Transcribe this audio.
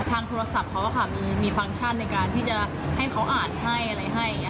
ทางโทรศัพท์เขาก็ค่ะมีฟังก์ชันในการที่จะให้เขาอ่านให้อะไรให้